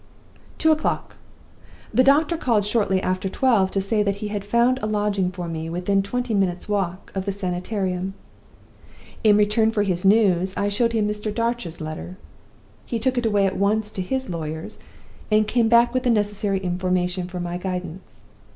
"Two o'clock. The doctor called shortly after twelve to say that he had found a lodging for me within twenty minutes' walk of the Sanitarium. In return for his news, I showed him Mr. Darch's letter. He took it away at once to his lawyers, and came back with the necessary information for my guidance.